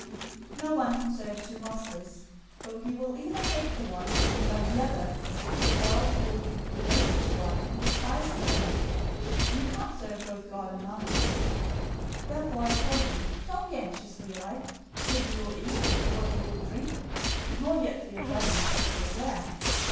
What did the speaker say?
006:024 "No one can serve two masters, for either he will hate the one and love the other; or else he will be devoted to one and despise the other. You can't serve both God and Mammon. 006:025 Therefore, I tell you, don't be anxious for your life: what you will eat, or what you will drink; nor yet for your body, what you will wear.